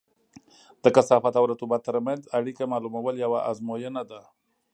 د کثافت او رطوبت ترمنځ اړیکه معلومول یوه ازموینه ده